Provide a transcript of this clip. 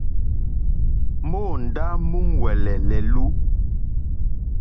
Móǒndá múúŋwɛ̀lɛ̀ lɛ̀lú.